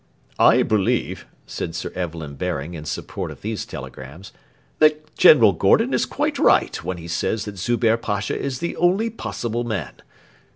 'I believe,' said Sir Evelyn Baring in support of these telegrams, 'that General Gordon is quite right when he says that Zubehr Pasha is the only possible man.